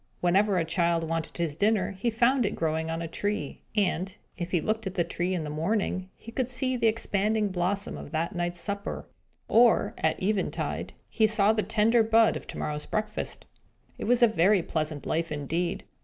Whenever a child wanted his dinner, he found it growing on a tree; and, if he looked at the tree in the morning, he could see the expanding blossom of that night's supper; or, at eventide, he saw the tender bud of to morrow's breakfast. It was a very pleasant life indeed.